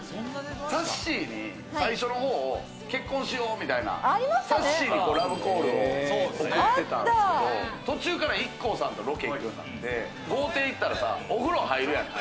さっしーに最初のほう、結婚しようみたいな、さっしーにラブコールを送ってたんすけど、途中からＩＫＫＯさんとロケ行くようになって、豪邸行ったらさ、お風呂入るやんか。